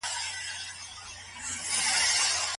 شيطانان په خلګو باندي کوم جرمونه ترسره کوي؟